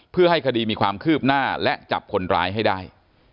เพื่อให้คดีมีความคืบหน้าและจับคนร้ายให้ได้